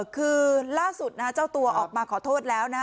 คือล่าสุดนะฮะเจ้าตัวออกมาขอโทษแล้วนะฮะ